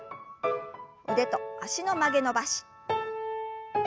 腕と脚の曲げ伸ばし。